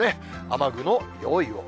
雨具の用意を。